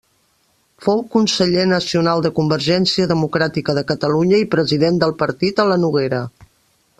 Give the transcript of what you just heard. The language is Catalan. Fou conseller nacional de Convergència Democràtica de Catalunya i president del partit a la Noguera.